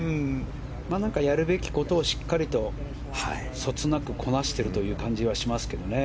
やるべきことをしっかりとそつなくこなしている感じはしますけどね。